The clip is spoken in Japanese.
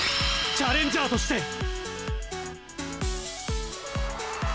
チャレンジャーとして！